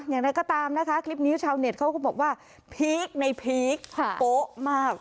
อย่างไรก็ตามนะคะคลิปนี้ชาวเน็ตเขาก็บอกว่าพีคในพีคโป๊ะมาก